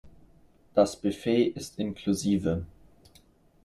Das Buffet ist inklusive.